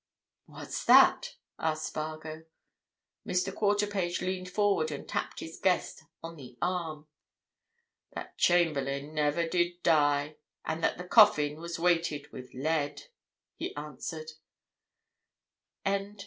"What's that?" asked Spargo. Mr. Quarterpage leaned forward and tapped his guest on the arm. "That Chamberlayne never did die, and that that coffin was weighted with lead!" he answered.